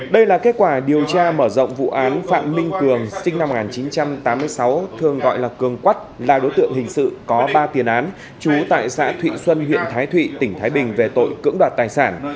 đây là kết quả điều tra mở rộng vụ án phạm minh cường sinh năm một nghìn chín trăm tám mươi sáu thường gọi là cường quắt là đối tượng hình sự có ba tiền án chú tại xã thụy xuân huyện thái thụy tỉnh thái bình về tội cưỡng đoạt tài sản